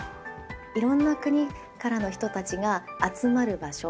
いろんな国からの人たちが集まる場所